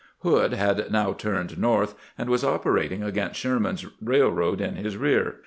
Hood had now turned north, and was operating against Sherman's railroad in his rear.